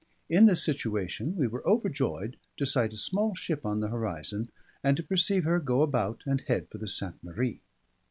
In this situation we were overjoyed to sight a small ship on the horizon, and to perceive her go about and head for the Sainte Marie.